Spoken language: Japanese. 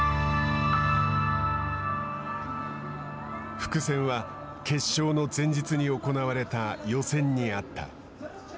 伏線は決勝の前日に行われた予選にあった。